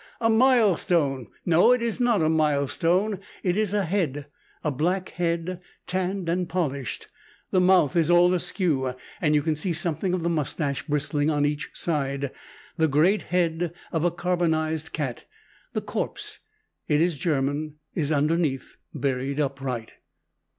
A milestone? No, it is not a milestone. It is a head, a black head, tanned and polished. The mouth is all askew, and you can see something of the mustache bristling on each side the great head of a carbonized cat. The corpse it is German is underneath, buried upright.